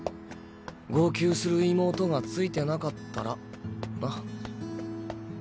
号泣する妹がついてなかったらな。